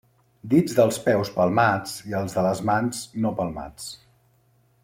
Dits dels peus palmats i els de les mans no palmats.